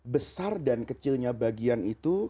besar dan kecilnya bagian itu